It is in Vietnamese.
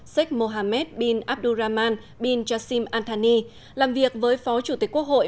sheikh mohammed bin abdurrahman bin jassim anthony làm việc với phó chủ tịch quốc hội